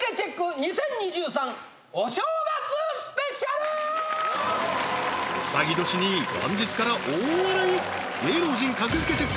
２０２３お正うさぎ年に元日から大笑い芸能人格付けチェック！